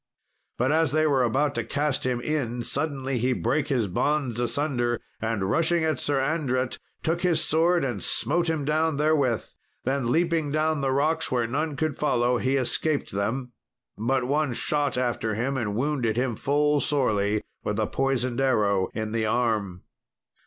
But as they were about to cast him in, suddenly he brake his bonds asunder, and rushing at Sir Andret, took his sword and smote him down therewith. Then, leaping down the rocks where none could follow, he escaped them. But one shot after him and wounded him full sorely with a poisoned arrow in the arm.